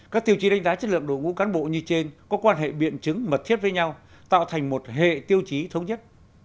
các tiêu chí đánh giá chất lượng đội ngũ cán bộ như trên có quan hệ biện chứng mật thiết với nhau tạo thành một hệ tiêu chí thống nhất